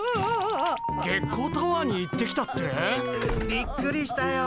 びっくりしたよ。